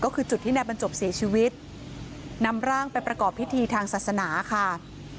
ก็คือจุดที่นายบรรจบเสียชีวิตนำร่างไปประกอบพิธีทางศาสนาค่ะ